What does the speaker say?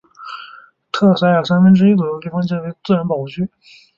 特塞尔三分之一左右地方皆为自然保护区。